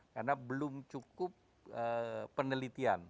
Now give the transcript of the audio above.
karena belum cukup penelitian